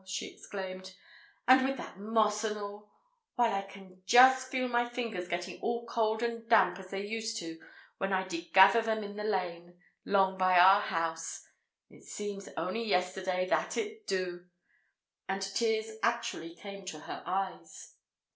she exclaimed. "And with that moss and all! Why, I can just feel my fingers getting all cold and damp as they used to when I did gather them in the lane 'long by our house—it seems on'y yesterday, that it do!" and tears actually came to her eyes.